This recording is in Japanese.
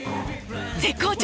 絶好調！！